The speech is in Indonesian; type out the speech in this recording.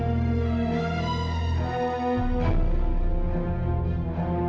haris kamu masih mau